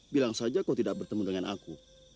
bilang saja kau tidak bertemu dengan aku